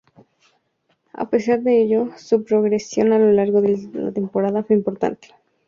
A pesar de ello, su progresión a lo largo de la temporada fue importante.